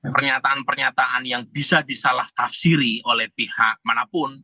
pernyataan pernyataan yang bisa disalah tafsiri oleh pihak manapun